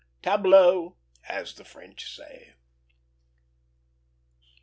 Tableau! as the French say.